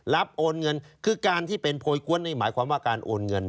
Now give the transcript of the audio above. โอนเงินคือการที่เป็นโพยกวนนี่หมายความว่าการโอนเงิน